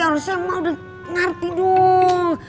harusnya emak udah ngerti dong